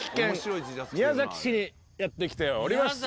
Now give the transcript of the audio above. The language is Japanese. にやって来ております。